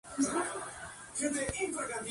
Todos los enfrentamientos son de solo un encuentro.